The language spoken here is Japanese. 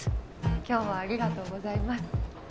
今日はありがとうございます。